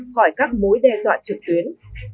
khỏi các mối đe dọa trực tuyến